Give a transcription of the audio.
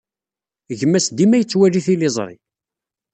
Gma-s dima yettwali tiliẓri.